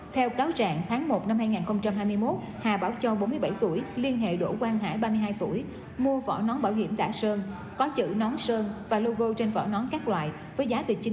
theo cáo trạng tháng một năm hai nghìn hai mươi một hà bảo châu bốn mươi bảy tuổi liên hệ đổ quan hải ba mươi hai tuổi mua vỏ nón bảo hiểm đã sơn có chữ nón sơn và logo trên vỏ nón các loại